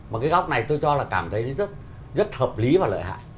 mà cái góc này tôi cho là cảm thấy rất hợp lý và lợi hại